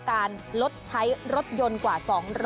การลดใช้รถยนต์กว่า๒๐๐